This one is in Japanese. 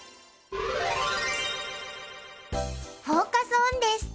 フォーカス・オンです。